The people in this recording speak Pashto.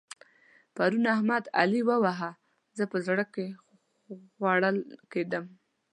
پرون احمد؛ علي وواهه. زه په زړه کې خوړل کېدم.